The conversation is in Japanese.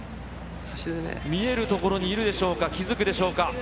見える所にいるでしょうか、気付くでしょうか。